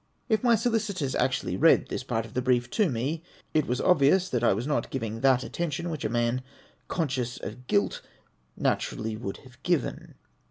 If my solicitors actually read this part of the brief to me, it was obvious that I was not giving that attention which a man conscious of guilt naturally would have given.